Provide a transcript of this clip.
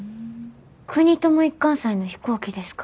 国友一貫斎の飛行機ですか？